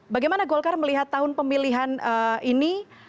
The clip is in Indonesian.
bagaimana golkar melihat tahun pemilihan ini